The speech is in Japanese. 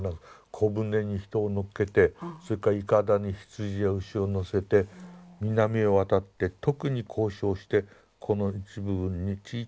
小舟に人を乗っけてそれからいかだに羊や牛を乗せて南へ渡って特に交渉をしてこの一部分にちいちゃな村を持ちます。